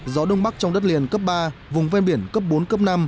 gió đông bắc trong đất liền cấp ba vùng ven biển cấp bốn cấp năm